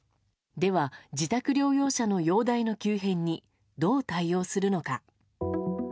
では自宅療養者の容体の急変にどう対応するのか。